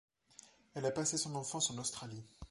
Elle a passé son enfance en Australie.